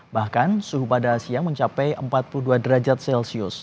bahkan suhu pada siang mencapai empat puluh dua derajat celcius